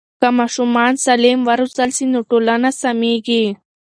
که ماشومان سالم وروزل سي نو ټولنه سمیږي.